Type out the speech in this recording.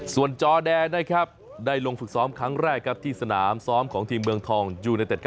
ส่วนจอแดนได้ลงฝึกซ้อมครั้งแรกที่สนามซ้อมของทีมเมืองทองยูเนเต็ด